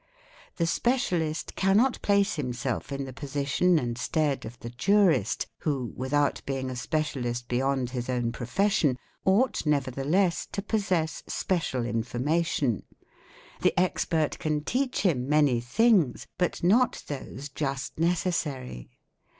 The specialist cannot place himself in the — position and stead of the jurist, who, without being a specialist beyond his own profession, ought nevertheless to possess special information; the expert can teach him many things, but not those just necessary.